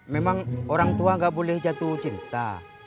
memang orang tua gak boleh jatuh cinta